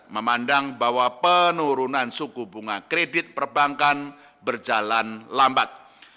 memandang bahwa penurunan suku bunga kredit perbankan berjalan lambat